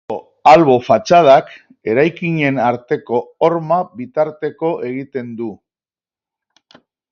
Ezkerreko albo fatxadak eraikinen arteko horma bitarteko egiten du.